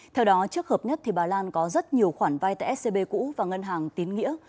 theo đó trước hợp nhất bà lan có rất nhiều khoản vai tại scb cũ và ngân hàng tiến nghĩa